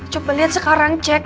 coba lihat sekarang cek